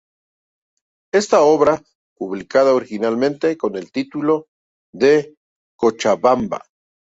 Esta obra —publicada originalmente con el título de "Cochabamba.